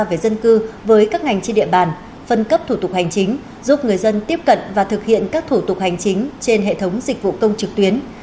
về dân cư với các ngành trên địa bàn phân cấp thủ tục hành chính giúp người dân tiếp cận và thực hiện các thủ tục hành chính trên hệ thống dịch vụ công trực tuyến